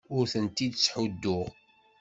Ur tent-id-ttḥudduɣ.